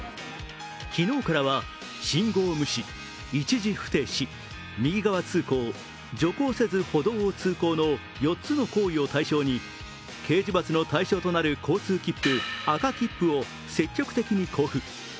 昨日からは信号無視、一時不停止、右側通行、徐行せず歩道を通行の４つの行為を対象に、刑事罰の対象となる交通切符、赤切符を積極的に交付。